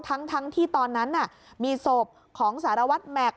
ทั้งที่ตอนนั้นมีส่วนส่วนสารวัตรแมก